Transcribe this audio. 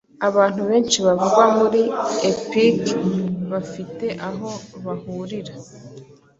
Abantu benshi bavugwa muri Epic bafite aho bahurira